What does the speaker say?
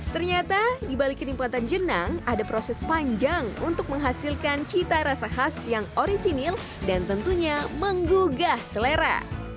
ternyata di balik kenimpan jenang ada proses panjang untuk menghasilkan cita rasa khas yang orisinil dan tentunya menggugah selera